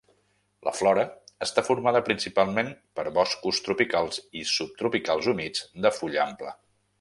La flora està formada principalment per boscos tropicals i subtropicals humits de fulla ampla.